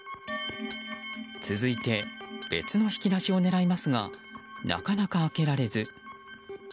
続いて別の引き出しを狙いますがなかなか開けられず。